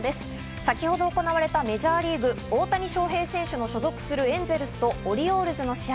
先ほど行われたメジャーリーグ、大谷翔平選手が所属するエンゼルスとオリオールズの試合。